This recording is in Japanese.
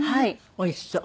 おいしそう。